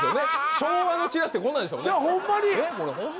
昭和のチラシってこんなんでしたもんね